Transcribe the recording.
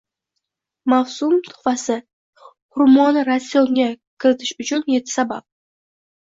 Mavsum tuhfasi: Xurmoni ratsionga kiritish uchunyettisabab